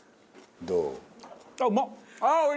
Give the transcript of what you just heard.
どう？